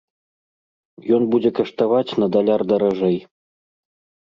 Ён будзе каштаваць на даляр даражэй.